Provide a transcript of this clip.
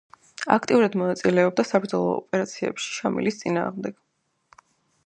აქტიურად მონაწილეობდა საბრძოლო ოპერაციებში შამილის წინააღმდეგ.